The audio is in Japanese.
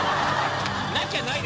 なきゃないで